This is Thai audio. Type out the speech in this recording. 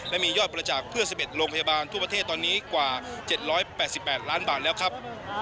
และมียอดบริจาคเพื่อ๑๑โรงพยาบาลทั่วประเทศตอนนี้กว่า๗๘๘ล้านบาทแล้วครับ